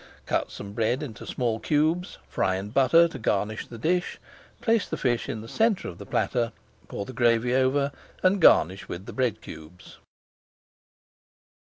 Cut some bread into small cubes, fry in butter to garnish the dish. Place the fish in the centre of the platter, pour the gravy over and garnish with the bread cubes.